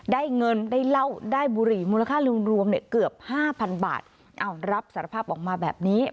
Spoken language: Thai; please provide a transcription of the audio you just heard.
ได้เงินได้เหล้าได้บุหรี่มูลค่ารวมรวมเนี่ยเกือบห้าพันบาทอ้าวรับสารภาพออกมาแบบนี้